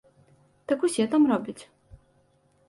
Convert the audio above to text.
Так усе там робяць.